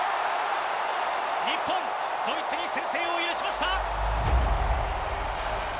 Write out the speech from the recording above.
日本、ドイツに先制を許しました。